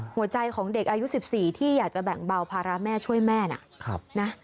หัวใจของเด็กอายุ๑๔ที่อยากจะแบ่งเบาภาระแม่ช่วยแม่นะ